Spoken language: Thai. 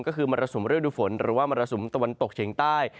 ก็คือมรสุมฤดูฝนหรือว่ามรสุมตะวันตกเฉียงใต้